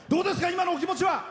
今のお気持ちは。